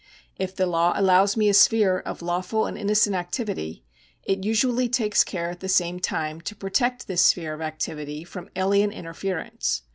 If the law allows me a sphere of lawful and innocent activity, it usually takes care at the same time to protect this sphere of activity from alien inter ference.